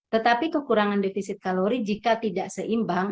tetapi kekurangan defisit kalori jika tidak seimbang